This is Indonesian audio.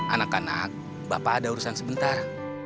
anak anak bapak ada urusan sebentar